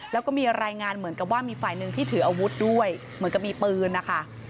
แล้วก็มีรายงานเหมือนกับว่ามีฝ่ายหนึ่งที่ถืออาวุธด้วยเหมือนกับมีปืนนะคะ